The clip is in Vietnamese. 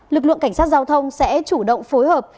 lực lượng cảnh sát giao thông sẽ chủ động phối hợp